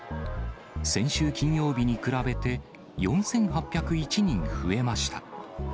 先週金曜日に比べて、４８０１人増えました。